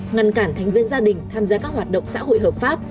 ngăn cản thành viên gia đình tham gia các hoạt động xã hội hợp pháp